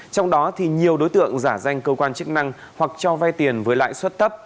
trong đó thì nhiều đối tượng giả danh cơ quan chức năng hoặc cho vai tiền với lại xuất tấp